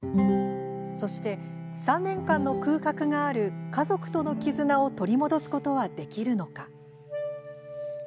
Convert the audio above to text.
そして３年間の空白がある家族との絆を取り戻すことはできるのか？